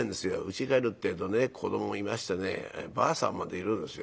うち帰るってえとね子どももいましてねばあさんまでいるんですよ。